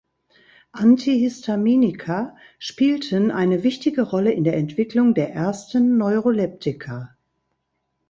Antihistaminika spielten eine wichtige Rolle in der Entwicklung der ersten Neuroleptika.